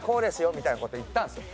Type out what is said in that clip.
みたいな事を言ったんですよ。